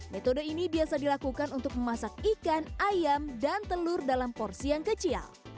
metode ini biasa dilakukan untuk memasak ikan ayam dan telur dalam porsi yang kecil